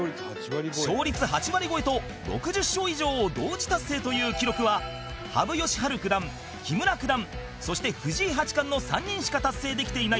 勝率８割超えと６０勝以上を同時達成という記録は羽生善治九段木村九段そして藤井八冠の３人しか達成できていない